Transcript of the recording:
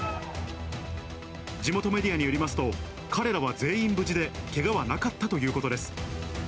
地元メディアによりますと、彼らは全員無事で、けがはなかったということです。